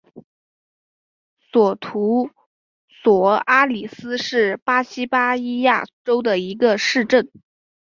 索图索阿里斯是巴西巴伊亚州的一个市镇。